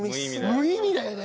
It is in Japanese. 無意味だよね。